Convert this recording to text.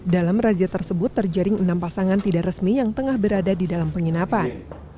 dalam razia tersebut terjaring enam pasangan tidak resmi yang tengah berada di dalam penginapan